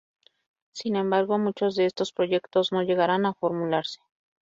Sin embargo muchos de estos proyectos no llegarán a formularse.